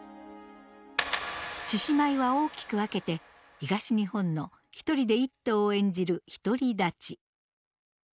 獅子舞は大きく分けて東日本の一人で一頭を演じる「一人立ち」。